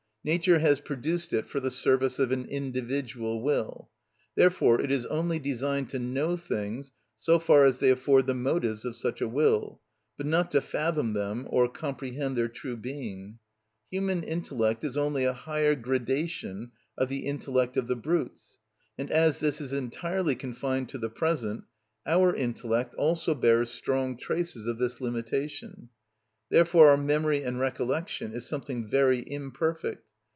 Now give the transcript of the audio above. Nature has produced it for the service of an individual will. Therefore it is only designed to know things so far as they afford the motives of such a will, but not to fathom them or comprehend their true being. Human intellect is only a higher gradation of the intellect of the brutes; and as this is entirely confined to the present, our intellect also bears strong traces of this limitation, Therefore our memory and recollection is something very imperfect.